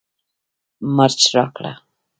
مرچ راکړه